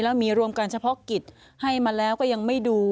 แล้วมีรวมกันเฉพาะกิจให้มาแล้วก็ยังไม่ดู